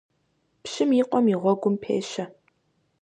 Пщым и къуэм и гъуэгум пещэ.